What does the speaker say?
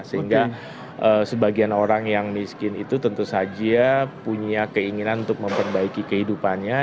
sehingga sebagian orang yang miskin itu tentu saja punya keinginan untuk memperbaiki kehidupannya